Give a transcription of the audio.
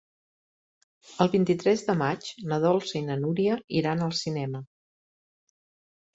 El vint-i-tres de maig na Dolça i na Núria iran al cinema.